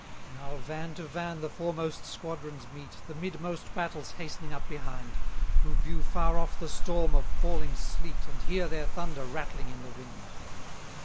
186 Now van to van the foremost squadrons meet, The midmost battles hastening up behind, Who view far off the storm of falling sleet, And hear their thunder rattling in the wind.